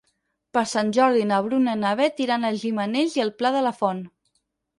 Per Sant Jordi na Bruna i na Beth iran a Gimenells i el Pla de la Font.